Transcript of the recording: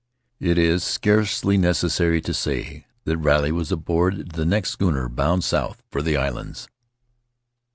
It is scarcely necessary to say that Riley was aboard the next schooner bound south for the islands.